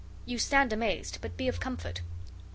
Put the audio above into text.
You stand amazed, but be of comfort."